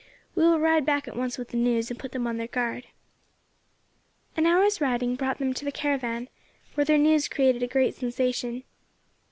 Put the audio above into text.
We will ride back at once with the news, and put them on their guard." An hour's riding brought them to the caravan, where their news created a great sensation.